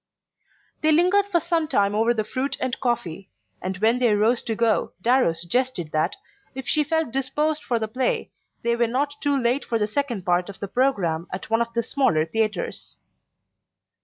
They lingered for some time over the fruit and coffee, and when they rose to go Darrow suggested that, if she felt disposed for the play, they were not too late for the second part of the programme at one of the smaller theatres.